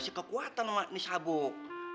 ngasih kekuatan sama sabuk ne